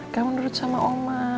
kamu nurut sama oma